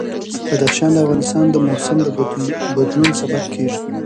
بدخشان د افغانستان د موسم د بدلون سبب کېږي.